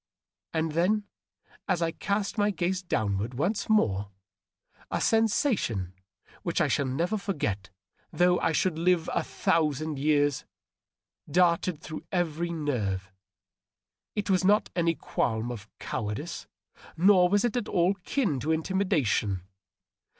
And then, as I cast my gaze downward once more, a sensation which I shall never forget, though I should live a thousand DOUGLAS DUANE. 675 years, darted through every nerve. It was not any qualm of coward ice, nor was it at all akin to intimidation.